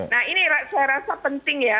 nah ini saya rasa penting ya